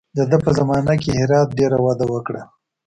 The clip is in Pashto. د ده په زمانه کې هرات ډېره وده وکړه.